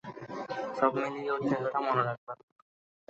সব মিলিয়ে ওর চেহারাটা মনে রাখবার মতো।